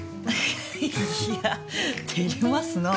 いやぁ照れますなぁ。